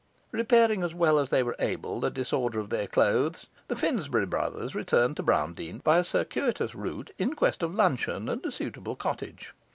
Repairing as well as they were able the disorder of their clothes, the Finsbury brothers returned to Browndean by a circuitous route in quest of luncheon and a suitable cottage.